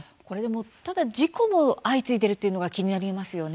ただ事故も相次いでいるというのが気になりますよね。